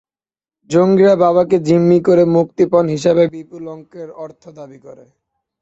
জঙ্গিরা বাবাকে জিম্মি করে মুক্তিপণ হিসেবে বিপুল অঙ্কের অর্থ দাবি করে।